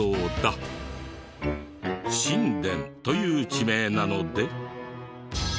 新田という地名なので。